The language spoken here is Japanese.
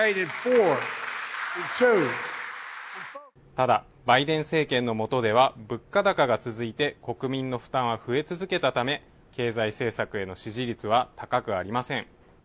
ただ、バイデン政権のもとでは、物価高が続いて、国民の負担は増え続けたため、経済政策への支持率は高くありません。